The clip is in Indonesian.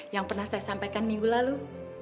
yang pernah saya sampaikan minggu lalu